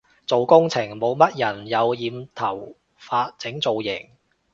做工程冇乜人有染頭髮整造型